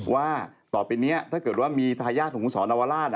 ว่าต่อไปนี้ถ้าเกิดว่ามีทายาทของคุณสอนวราช